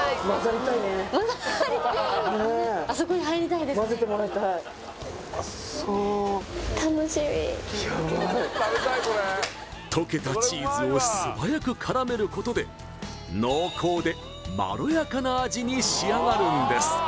まぜてもらいたいヤバい溶けたチーズを素早くからめることで濃厚でまろやかな味に仕上がるんです